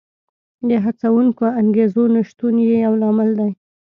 د هڅوونکو انګېزو نشتون یې یو لامل دی